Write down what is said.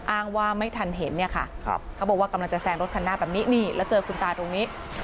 อ้างว่าไม่ทันเห็นเนี่ยค่ะเขาบอกว่ากำลังจะแซงรถคันหน้าแบบนี้นี่แล้วเจอคุณตาตรงนี้